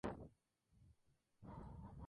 Se caracteriza por el uso de pañuelos.